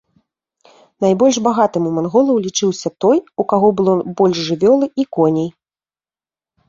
Найбольш багатым у манголаў лічыўся той, у каго было больш жывёлы і коней.